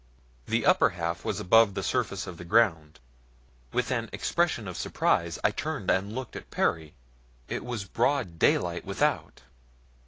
The upper half was above the surface of the ground. With an expression of surprise I turned and looked at Perry it was broad daylight without!